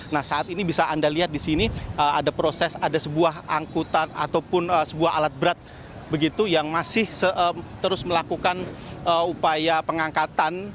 nah saat ini bisa anda lihat di sini ada proses ada sebuah angkutan ataupun sebuah alat berat begitu yang masih terus melakukan upaya pengangkatan